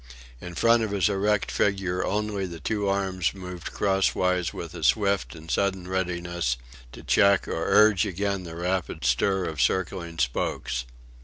In front of his erect figure only the two arms moved crosswise with a swift and sudden readiness, to check or urge again the rapid stir of circling spokes.